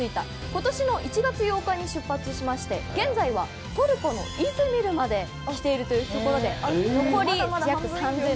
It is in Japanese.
今年の１月８日に出発しまして現在はトルコのイズミルまで来ているということで残り約３６００ｋｍ。